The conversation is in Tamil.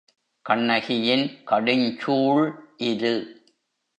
கண்ணகியின் கடுஞ்சூள் இது.